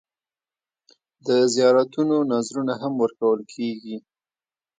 د زیارتونو نذرونه هم ورکول کېږي.